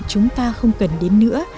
chúng ta không cần đến nữa